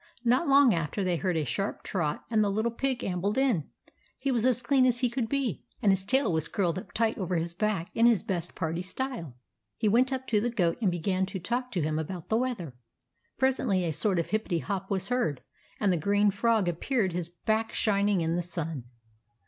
Not long after, they heard a sharp trot, and the Little Pig ambled in. He was as clean as could be, and his tail was curled up tight over his back, in his best party style. He went up to the Goat, and began to talk to him about the weather. Pres ently a sort of hippety hop was heard, and the green Frog appeared, his back shining in the sun.